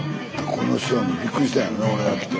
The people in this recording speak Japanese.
この人らもびっくりしたやろうな俺が来て。